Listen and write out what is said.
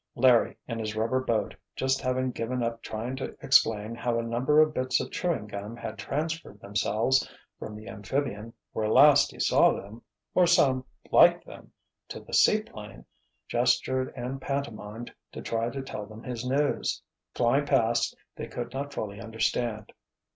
Larry, in his rubber boat, just having given up trying to explain how a number of bits of chewing gum had transferred themselves from the amphibian, where last he saw them—or some like them—to the seaplane, gestured and pantomimed to try to tell them his news. Flying past they could not fully understand.